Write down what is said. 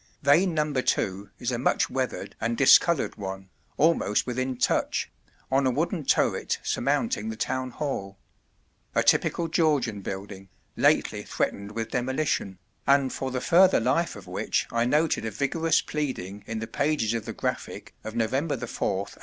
Vane number two is a much weathered and discoloured one, almost within touch, on a wooden turret surmounting the Town Hall a typical Georgian building, lately threatened with demolition, and for the further life of which I noted a vigorous pleading in the pages of The Graphic of November 4th, 1892.